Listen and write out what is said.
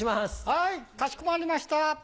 はいかしこまりました。